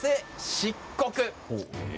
漆黒！